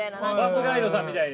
◆バスガイドさんみたいに？